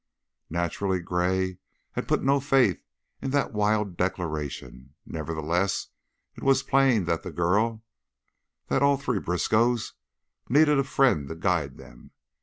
Naturally Gray had put no faith in that wild declaration, nevertheless it was plain that the girl that all three Briskows needed a friend to guide them.